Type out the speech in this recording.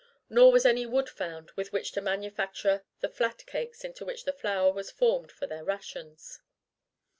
Nor was any wood found with which to manufacture the flat cakes into which the flour was formed for their rations.